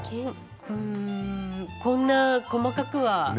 こんな細かくは。